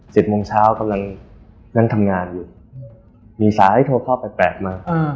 โมงเช้ากำลังนั่งทำงานอยู่มีสายโทรข้อแปลกแปลกมาอ่า